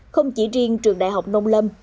không chỉ riêng trường đại học nông lâm